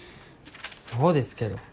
そうですけど。